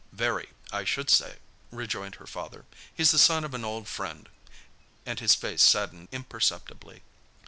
"Very, I should say," rejoined her father. "He's the son of an old friend"—and his face saddened imperceptibly.